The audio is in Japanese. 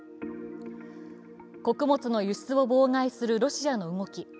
穀物の輸出を妨害するロシアの動き。